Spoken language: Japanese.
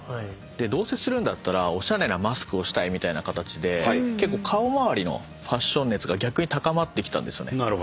どうせするんだったらおしゃれなマスクをしたいみたいな形で結構顔まわりのファッション熱が逆に高まってきたんですよね。